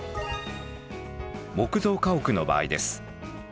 木造家屋の場合です。